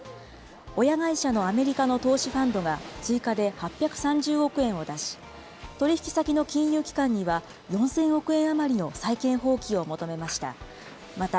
親会社のアメリカの投資ファンドが追加で８３０億円を出し、取り引き先の金融機関には４０００億円余りの債権放棄を求めました。